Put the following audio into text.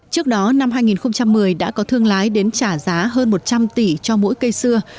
trước đó năm hai nghìn một mươi đã có thương lái đến trả giá hơn một trăm linh tỷ cho mỗi cây xưa